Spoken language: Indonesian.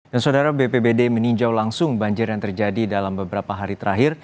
dan saudara bpbd meninjau langsung banjir yang terjadi dalam beberapa hari terakhir